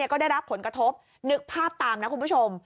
ก็ได้รับผลกระทบนึกภาพตามนะคุณผู้ชม